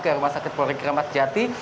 ke rumah sakit kori keramat jati